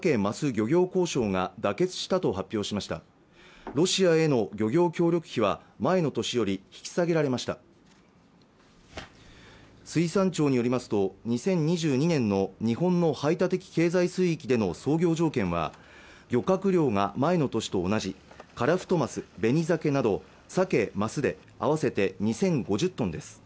漁業交渉が妥結したと発表しましたロシアへの漁業協力費は前の年より引き下げられました水産庁によりますと２０２２年の日本の排他的経済水域での操業条件は漁獲量が前の年と同じカラフトマス、ベニザケなどサケ、マスで合わせて２０５０トンです